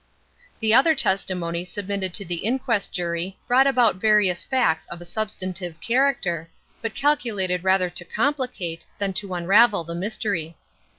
The other testimony submitted to the inquest jury brought out various facts of a substantive character, but calculated rather to complicate than to unravel the mystery.